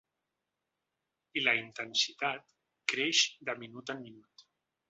I la intensitat creix de minut en minut.